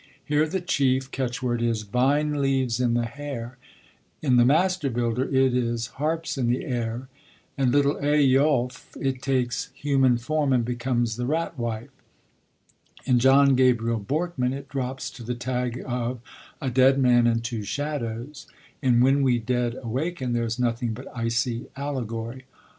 Here the chief catchword is 'vine leaves in the hair'; in The Master builder it is 'harps in the air'; in Little Eyolf it takes human form and becomes the Rat wife; in John Gabriel Borkman it drops to the tag of 'a dead man and two shadows'; in When we Dead Awaken there is nothing but icy allegory.